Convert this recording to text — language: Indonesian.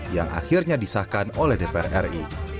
yang akhirnya disahkan oleh dpr ri